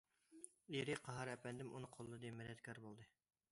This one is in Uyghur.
ئېرى قاھار ئەپەندىم ئۇنى قوللىدى، مەدەتكار بولدى.